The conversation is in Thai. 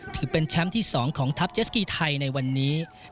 ถือเป็นแชมป์ที่๒ของทัพเจสกีไทยในวันนี้